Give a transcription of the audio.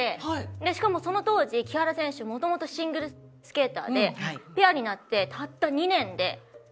しかもその当時木原選手元々シングルスケーターでペアになってたった２年で。